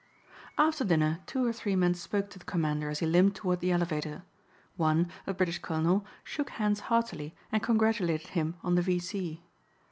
After dinner two or three men spoke to the Commander as he limped toward the elevator. One, a British colonel, shook hands heartily and congratulated him on the V.